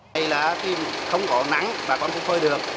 đây là khi không có nắng bà con cũng phơi được